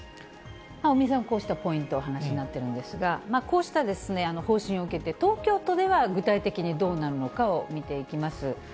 尾身さん、こうしたポイントをお話しになってるんですが、こうした方針を受けて、東京都では具体的にどうなるのかを見ていきます。